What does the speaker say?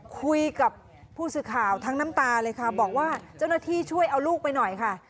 คุยกับผู้สื่อข่าวทั้งน้ำตาเลยค่ะบอกว่าเจ้าหน้าที่ช่วยเอาลูกไปหน่อยค่ะ